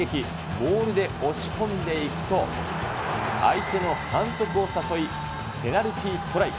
モールで押し込んでいくと、相手の反則を誘い、ペナルティトライ。